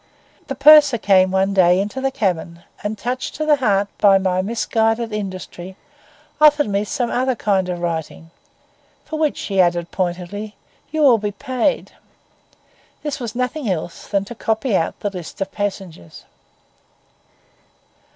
The purser came one day into the cabin, and, touched to the heart by my misguided industry, offered me some other kind of writing, 'for which,' he added pointedly, 'you will be paid.' This was nothing else than to copy out the list of passengers.